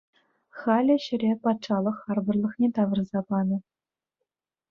Халӗ ҫӗре патшалӑх харпӑрлӑхне тавӑрса панӑ.